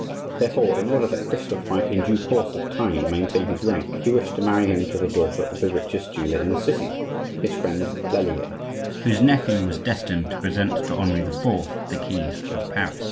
Therefore, in order that Christophe might in due course of time maintain his rank, he wished to marry him to the daughter of the richest jeweller in the city, his friend Lallier, whose nephew was destined to present to Henri IV. the keys of Paris.